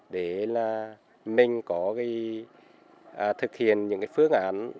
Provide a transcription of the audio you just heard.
để mình có thể thực hiện những phương án